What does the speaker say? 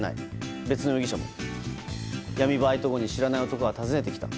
別の容疑者も闇バイト後に知らない男が訪ねてきた。